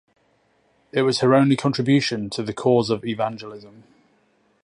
It was her only contribution to the cause of evangelism.